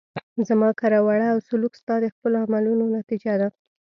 زما کړه وړه او سلوک ستا د خپلو عملونو نتیجه ده.